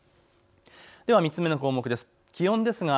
では３つ目の項目です。